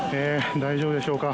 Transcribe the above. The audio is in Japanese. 大丈夫でしょうか？